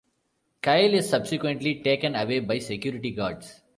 Kyle is subsequently taken away by security guards.